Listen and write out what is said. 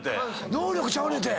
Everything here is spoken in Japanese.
能力ちゃうねんて。